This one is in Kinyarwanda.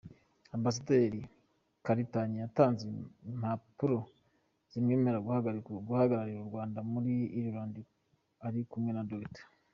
Ambasaderi Karitanyi yatanze impapuro zimwemerera guhagararira u Rwanda muri Ireland ari kumwe na Dr.